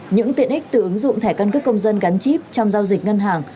những tiện ích từ ứng dụng thẻ căn cước công dân gắn chip trong giao dịch ngân hàng